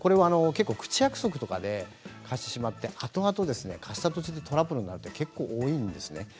口約束とかで貸してしまってあとあと貸した土地でトラブルになるということは結構多いんですね。